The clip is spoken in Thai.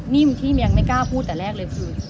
นิ่มที่ยังไม่กล้าพูดแต่แรกเลยคือ